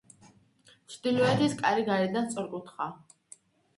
ჩრდილოეთის კარი გარედან სწორკუთხაა.